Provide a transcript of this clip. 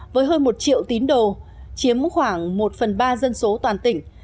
với hơn một triệu tín đồ chiếm khoảng một phần ba dân số toàn tỉnh